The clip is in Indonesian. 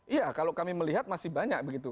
iya kalau kami melihat masih banyak begitu